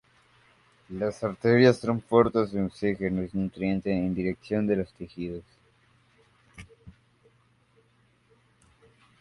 Las arterias transportan oxígeno y nutrientes en dirección de los tejidos.